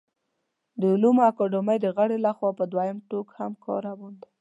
د علومو اکاډمۍ د غړو له خوا په دویم ټوک هم کار روان دی